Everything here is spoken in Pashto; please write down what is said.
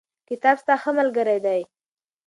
کتاب ستا ښه ملګری دی.